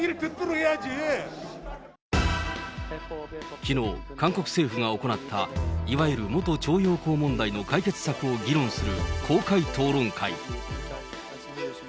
きのう、韓国政府が行った、いわゆる元徴用工問題の解決策を議論する公開討論会。